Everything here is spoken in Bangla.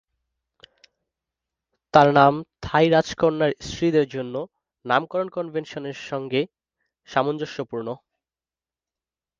তার নাম থাই রাজকন্যার স্ত্রীদের জন্য নামকরণ কনভেনশন সঙ্গে সামঞ্জস্যপূর্ণ।